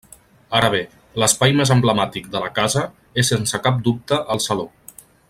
Ara bé, l'espai més emblemàtic de la casa és sense cap dubte el saló.